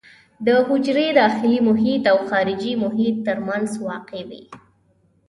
د حجرې داخلي محیط او خارجي محیط ترمنځ واقع وي.